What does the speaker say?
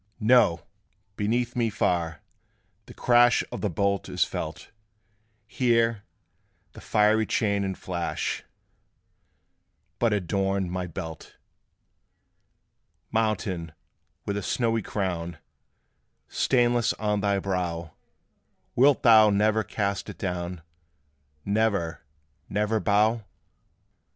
"No: beneath me far, the crash Of the bolt is felt: Here, the fiery chain and flash But adorn my belt." Mountain, with a snowy crown Stainless on thy brow, Wilt thou never cast it down Never, never bow?